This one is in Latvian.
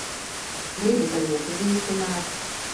Gribu tevi iepazīstināt.